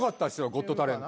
『ゴット・タレント』